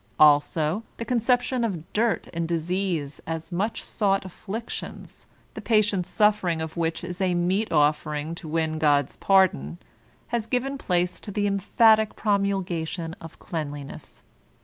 Also the conception of dirt and disease as much sought afflictions, the patient suffering of which is a meet offering to win God's pardon, has given place to the emphatic promulgation of cleanli ness.